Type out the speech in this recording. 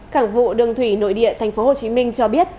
cảng vụ đường thủy nội địa tp hcm cho biết